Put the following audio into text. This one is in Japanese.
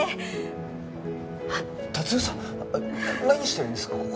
何してるんですか？